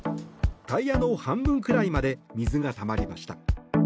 タイヤの半分くらいまで水がたまりました。